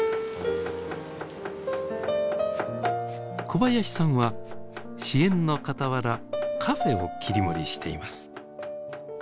小林さんは支援のかたわらカフェを切り盛りしています。